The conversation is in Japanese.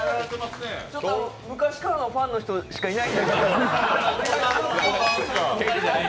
昔からのファンの人しかいない。